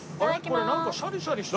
これなんかシャリシャリしてる。